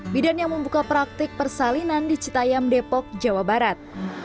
bidan yang membuka praktik persalinan di citayam depok jawa barat